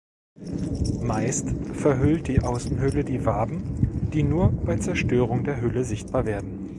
Meist verhüllt die Außenhülle die Waben, die nur bei Zerstörung der Hülle sichtbar werden.